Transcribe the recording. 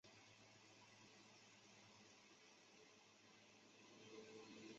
纽约红牛卡达斯国民体育会